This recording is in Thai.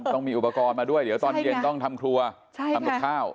ต้องมีอุปกรณ์มาด้วยเดี๋ยวตอนเย็นต้องทำครัวทำกับข้าว